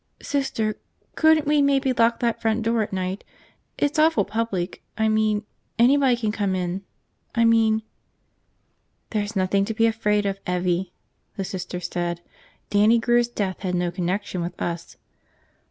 "Sister, couldn't we maybe lock that front door at night? It's awful public, I mean, anybody can come in. I mean ..." "There's nothing to be afraid of, Evvie," the Sister said sternly. "Dannie Grear's death had no connection with us."